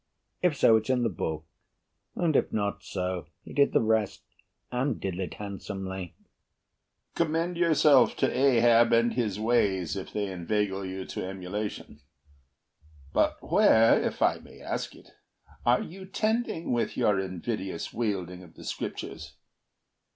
If so, it's in the Book; and if not so, He did the rest, and did it handsomely. HAMILTON Commend yourself to Ahab and his ways If they inveigle you to emulation; But where, if I may ask it, are you tending With your invidious wielding of the Scriptures?